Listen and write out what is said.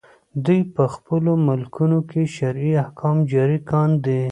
دوی په خپلو ملکونو کې شرعي احکام جاري کاندي.